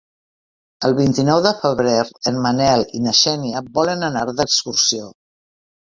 El vint-i-nou de febrer en Manel i na Xènia volen anar d'excursió.